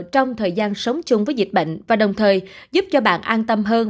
trong thời gian sống chung với dịch bệnh và đồng thời giúp cho bạn an tâm hơn